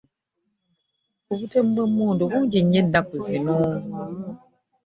Obutemu bw'emundu bungi nnyo ennaku zino.